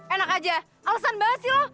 enak aja alasan banget sih lo